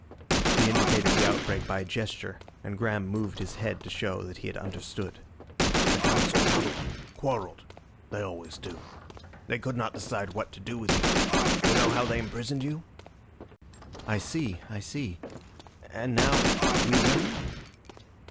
He indicated the outbreak by a gesture, and Graham moved his head to show that he understood. "The Council muddled quarrelled. They always do. They could not decide what to do with you. You know how they imprisoned you?" "I see. I see. And now we win?"